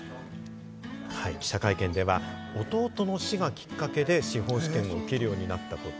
記者会見では、弟の死がきっかけで司法試験を受けるようになったこと。